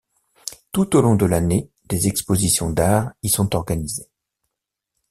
Tout au long de l’année, des expositions d'art y sont organisées.